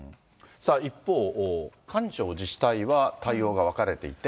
一方、官庁、自治体は対応が分かれていて。